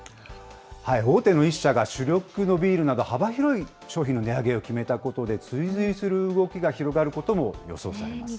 大手の１社が主力のビールなど、幅広い商品の値上げを決めたことで、追随する動きが広がることも予想されます。